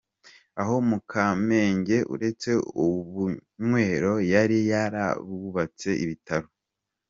Aho mu Kamenge uretse ubunywero yari yarahubatse ibitaro.